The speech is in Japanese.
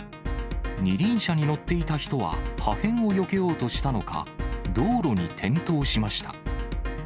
二輪車に乗っていた人は、破片をよけようとしたのか、道路に転倒しました。